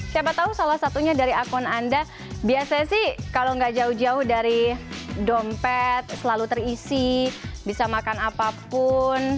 siapa tahu salah satunya dari akun anda biasanya sih kalau nggak jauh jauh dari dompet selalu terisi bisa makan apapun